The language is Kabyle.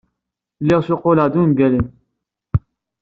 Lliɣ ssuqquleɣ-d ungalen.